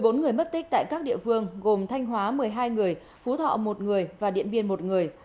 bốn người mất tích tại các địa phương gồm thanh hóa một mươi hai người phú thọ một người và điện biên một người